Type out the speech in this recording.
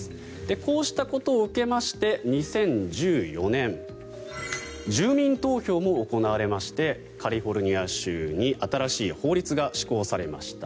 こうしたことを受けまして２０１４年住民投票も行われましてカリフォルニア州に新しい法律が施行されました。